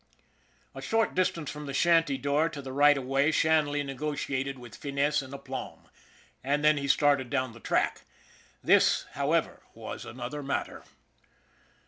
The short distance from the shanty door to the right of way Shanley negotiated with finesse and aplomb, and then he started down the track. This, however, was another matter.